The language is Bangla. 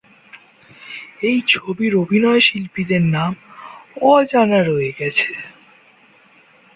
এই ছবির অভিনয়শিল্পীদের নাম অজানা রয়ে গেছে।